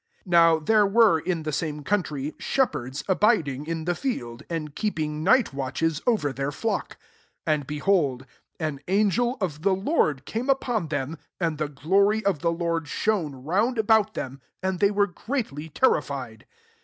8^ M>w there Were in the" sam^ country shepherds abiding in ther fhidf and Jteeping nightf ikitkHe$ over their flocks ^Andbeh^khiom tmgei ^ the Lord came t^on them, and the glory [of the Aofdf]^ shone round about them': and^ they were greatly ttftifted.